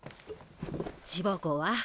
志望校は？